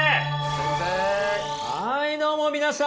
はいどうも皆さん。